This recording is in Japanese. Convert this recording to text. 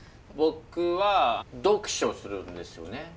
僕は読書するんですよね。